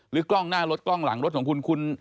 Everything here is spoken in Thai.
หรือกล้องหน้ารถกล้องหลังรถของคุณ